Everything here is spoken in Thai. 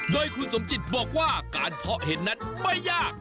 โดยคุณสมจิตบอกว่าการเพาะเห็นนั้นไม่ยาก